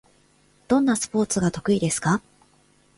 どんなスポーツが得意ですか？